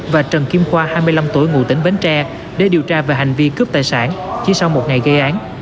và trần kim khoa hai mươi năm tuổi ngụ tỉnh bến tre để điều tra về hành vi cướp tài sản chỉ sau một ngày gây án